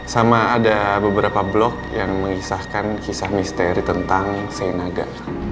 sama ada beberapa blog yang mengisahkan kisah misteri tentang senaga